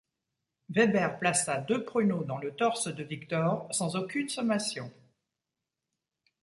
Weber plaça deux pruneaux dans le torse de Viktor sans aucune sommation.